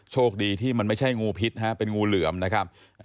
โชคดีที่มันไม่ใช่งูพิษนะฮะเป็นงูเหลือมนะครับ